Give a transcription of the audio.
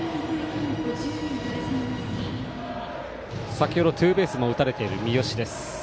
先程ツーベースも打たれている三好です。